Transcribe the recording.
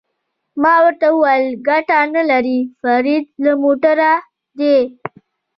ما ورته وویل: ګټه نه لري، فرید له موټره دې.